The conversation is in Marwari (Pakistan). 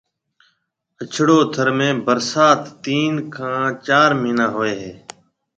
اڇڙو ٿر ۾ ڀرسات تين کان چار مھيَََنا ھوئيَ ھيََََ